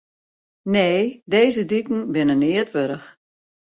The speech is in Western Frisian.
Nee, dizze diken binne neat wurdich.